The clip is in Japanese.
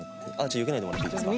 よけないでもらっていいですか？